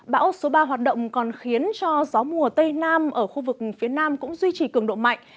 bão số ba hoạt động còn khiến cho gió mùa tây nam ở khu vực phía nam cũng duy trì cường độ mạnh